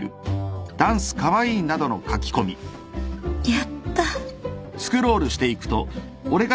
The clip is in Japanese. やった。